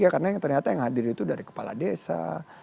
karena yang ternyata yang hadir itu dari kepala desa